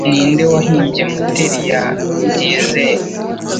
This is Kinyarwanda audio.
Ninde wahimbye moteri ya Diesel